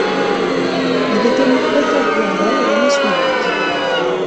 Il est élu préteur urbain l'année suivante.